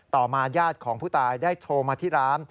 ต่อมาญาติของผู้ตายได้โทรมาที่ร้าน